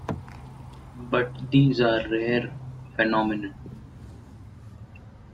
But these are rare phenomenon.